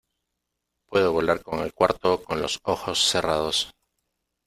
Puedo volar por el cuarto con los ojos cerrados.